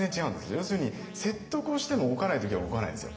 要するに説得をしても動かない時は動かないんですよ。